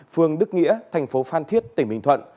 phương đức nghĩa thành phố phan thiết tỉnh bình thuận